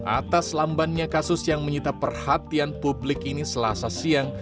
atas lambannya kasus yang menyita perhatian publik ini selasa siang